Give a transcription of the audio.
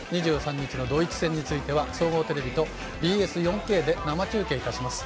２３日のドイツ戦については総合テレビとＢＳ４Ｋで生中継いたします。